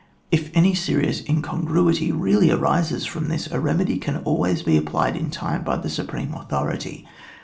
If any serious incongruity really arises from this, a remedy can always be applied in time by the supreme authority.